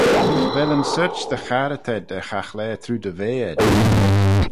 Vel yn sorçh dy charrey t'ayd er chaghlaa trooid y vea ayd?